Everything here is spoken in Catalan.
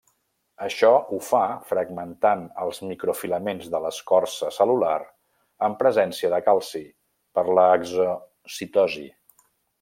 Això ho fa fragmentant els microfilaments de l'escorça cel·lular, en presència de calci, per l'exocitosi.